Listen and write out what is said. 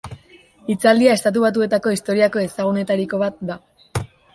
Hitzaldia Estatu Batuetako historiako ezagunetariko bat da.